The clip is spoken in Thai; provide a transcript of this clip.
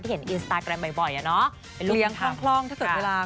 ที่เห็นอินสตาร์แกรมบ่อยเนาะเลี้ยงคล่องที่สุดเวลา